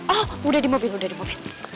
ah udah di mobil udah di mobil